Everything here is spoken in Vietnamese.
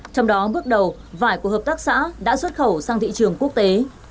trong đó bước đầu vải của hợp tác xã đã xuất khẩu sang thị trường quốc tế